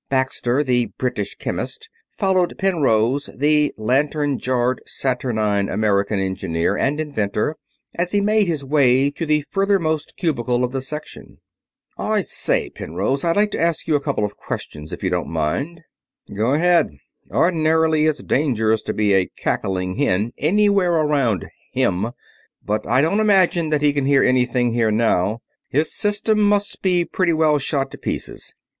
Baxter, the British chemist, followed Penrose, the lantern jawed, saturnine American engineer and inventor, as he made his way to the furthermost cubicle of the section. "I say, Penrose, I'd like to ask you a couple of questions, if you don't mind?" "Go ahead. Ordinarily it's dangerous to be a cackling hen anywhere around him, but I don't imagine that he can hear anything here now. His system must be pretty well shot to pieces.